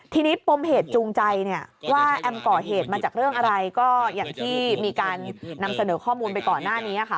ทีนี้ปมเหตุจูงใจเนี่ยว่าแอมก่อเหตุมาจากเรื่องอะไรก็อย่างที่มีการนำเสนอข้อมูลไปก่อนหน้านี้ค่ะ